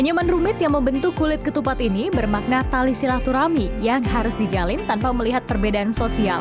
senyuman rumit yang membentuk kulit ketupat ini bermakna tali silaturahmi yang harus dijalin tanpa melihat perbedaan sosial